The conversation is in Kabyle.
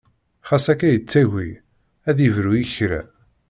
Xas akka yettagi ad yebru i kra.